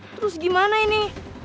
terus gimana ini